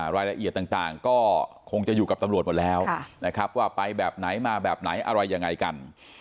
รายละเอียดต่างก็คงจะอยู่กับตำรวจหมดแล้วนะครับว่าไปแบบไหนมาแบบไหนอะไรยังไงกัน